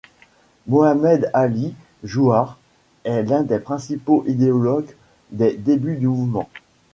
Mohammad Ali Jouhar est l'un des principaux idéologues des débuts du mouvement.